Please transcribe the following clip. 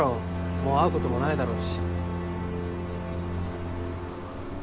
もう会うこともないだろうし。